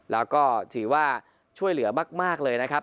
แล้วก็ถือว่าช่วยเหลือมากเลยนะครับ